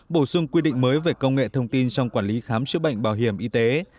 bổ sung quy định mới về công nghệ thông tin trong quản lý khám chữa bệnh bảo hiểm y tế